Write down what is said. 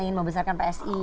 ingin membesarkan psi